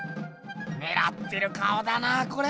ねらってる顔だなこれ。